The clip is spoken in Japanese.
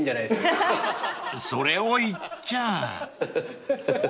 ［それを言っちゃあ］